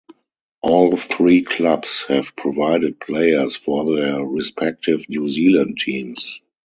All three clubs have provided players for their respective New Zealand teams.